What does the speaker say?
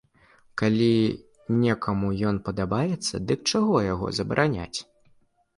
Калі некаму ён падабаецца, дык чаго яго забараняць?